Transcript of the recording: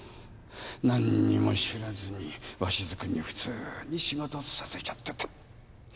何にも知らずに鷲津君に普通に仕事させちゃってた。